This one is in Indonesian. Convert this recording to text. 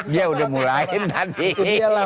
dia sudah mulai itu dia lah